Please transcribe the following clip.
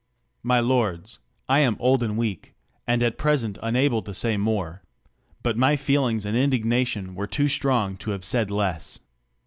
My lords, 1 am old and weak, and at present una ble to say more ; but my feelings and indignation were too strong to have said less.